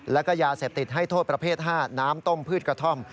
แล้วก็ยาเสพติดให้โทษประเภท๕น้ำต้มพืชกระท่อม